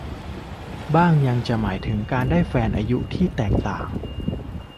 บ้างยังจะหมายถึงการได้แฟนอายุแตกต่าง